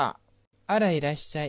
あらいらっしゃい。